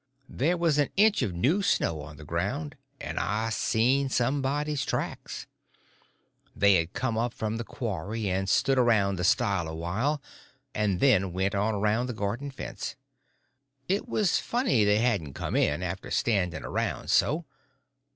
There was an inch of new snow on the ground, and I seen somebody's tracks. They had come up from the quarry and stood around the stile a while, and then went on around the garden fence. It was funny they hadn't come in, after standing around so.